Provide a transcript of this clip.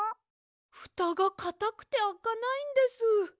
ふたがかたくてあかないんです。